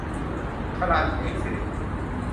ชรัญ เอกสิริ